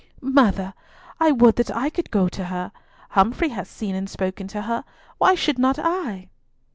"Mother, I would that I could go to her; Humfrey has seen and spoken to her, why should not I?"